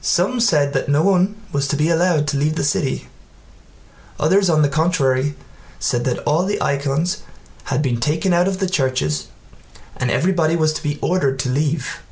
Some said that no one was to be allowed to leave the city, others on the contrary said that all the icons had been taken out of the churches and everybody was to be ordered to leave.